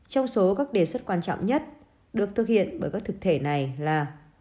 trong số các đề xuất quan trọng nhất được thực hiện bởi các thực thể này là